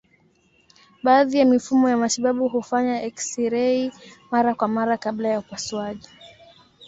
Baadhi ya mifumo ya matibabu hufanya eksirei mara kwa mara kabla ya upasuaji.